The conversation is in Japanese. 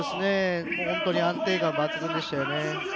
本当に安定感抜群でしたよね。